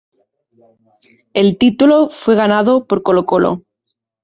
El título fue ganado por Colo-Colo.